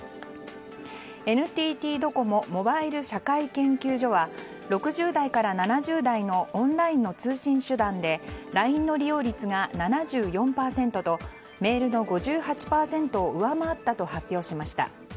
ＮＴＴドコモモバイル社会研究所は６０代から７０代のオンラインの通信手段でＬＩＮＥの利用率が７４％とメールの５８％を上回ったと発表しました。